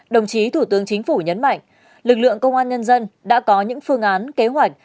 đồng chí thủ tướng chính phủ nhấn mạnh lực lượng công an nhân dân đã có những phương án kế hoạch